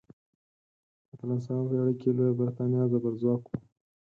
په اتلسمه پیړۍ کې لویه بریتانیا زبرځواک وه.